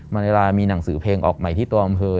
เวลามีหนังสือเพลงออกใหม่ที่ตัวอำเภอ